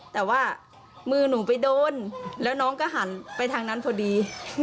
แต่ว่ามือหนูไปโดนแล้วน้องก็หันไปทางนั้นพอดี